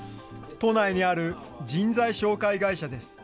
都内にある人材紹介会社です。